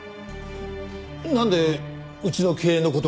なんでうちの経営の事まで。